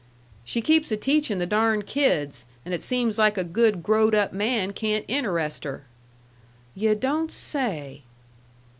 "She keeps a teaching the darned kids, and it seems like a good growed up man can't interest her." "YU' DON'T SAY!"